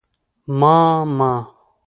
_ما، ما